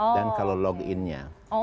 dan kalau loginnya